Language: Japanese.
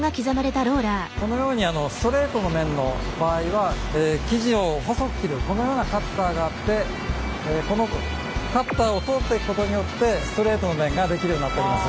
このようにストレートの麺の場合は生地を細く切るこのようなカッターがあってこのカッターを通ってくことによってストレートの麺が出来るようになっております。